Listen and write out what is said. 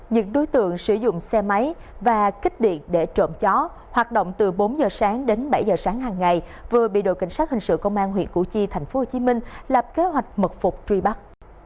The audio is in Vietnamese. những đối tượng sử dụng xe máy và kích điện để trộm chó hoạt động từ bốn giờ sáng đến bảy giờ sáng hàng ngày vừa bị đội cảnh sát hình sự công an huyện củ chi tp hcm lập kế hoạch mật phục truy bắt